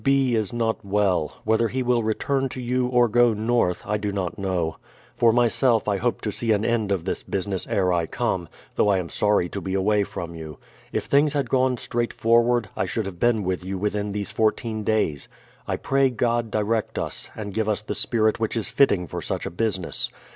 B. is not well; whether he will return to you or go north, I do not know. For myself I hope to see an end of this business ere I come, though I am sorry to be away from you. H things had gone straight forward, I should have been with you within these 14 daj'S. I pray God direct us, and give us the spirit which is fitting for such a business.